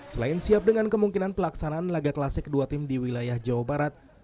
selain siap dengan kemungkinan pelaksanaan laga klasik kedua tim di wilayah jawa barat